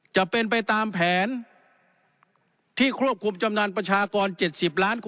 จะเป็นไปตามแผนที่ควบคุมจำนำประชากร๗๐ล้านคน